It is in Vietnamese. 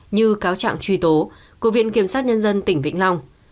như cáo trạng truy tố của viện kiểm sát nhân dân tỉnh vĩnh long